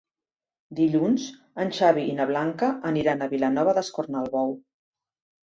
Dilluns en Xavi i na Blanca aniran a Vilanova d'Escornalbou.